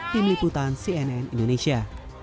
tim liputan cnn indonesia